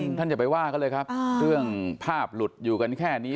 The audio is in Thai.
ท่านอย่าไปว่ากันเลยครับเรื่องภาพหลุดอยู่กันแค่นี้